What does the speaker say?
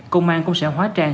công an cũng sẽ hóa trang